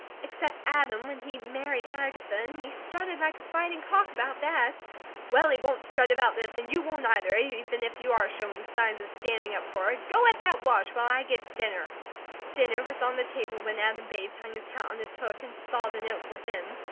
"Except Adam, when he married Agatha; and he strutted like a fighting cock about that." "Well, he won't 'strut' about this, and you won't either, even if you are showing signs of standing up for her. Go at that wash, while I get dinner." Dinner was on the table when Adam Bates hung his hat on its hook and saw the note for him.